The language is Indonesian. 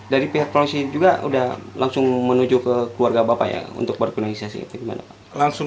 dari pihak polisi juga udah langsung menuju ke keluarga bapak yang untuk berkualitas itu langsung